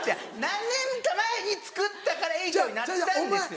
何年か前に作ったから８になったんです。